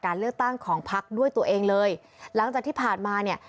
เลือกตั้งของพักด้วยตัวเองเลยหลังจากที่ผ่านมาเนี่ย